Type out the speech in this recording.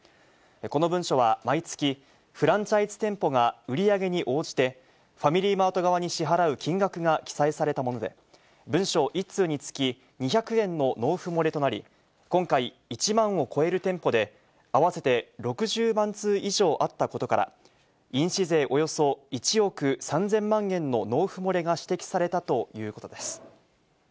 この文書は毎月、フランチャイズ店舗が売り上げに応じて、ファミリーマート側に支払う金額が記載されたもので、文書１通につき２００円の納付漏れとなり、今回、１万を超える店舗で合わせて６０万通以上あったことから、印紙税およそ１億３０００万円の納付漏れが指摘されたということです。